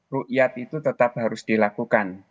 ru yat itu tetap harus dilakukan